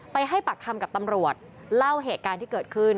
ให้ปากคำกับตำรวจเล่าเหตุการณ์ที่เกิดขึ้น